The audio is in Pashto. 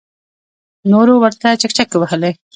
نورو ورته چکچکې وهلې.